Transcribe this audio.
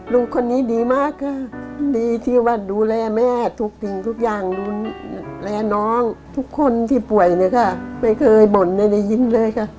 ลุงคนนี้ดีมากค่ะดีที่ว่าดูแลแม่ทุกสิ่งทุกอย่างดูแลน้องทุกคนที่ป่วยเนี่ยค่ะไม่เคยบ่นไม่ได้ยินเลยค่ะ